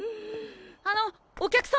あのお客様！